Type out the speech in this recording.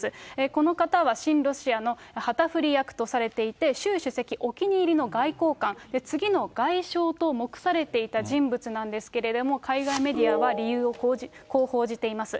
この方は親ロシアの旗振り役とされていて、習主席お気に入りの外交官、次の外相と目されていた人物なんですけれども、海外メディアは理由をこう報じています。